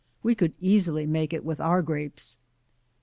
We could easily make it with our Grapes.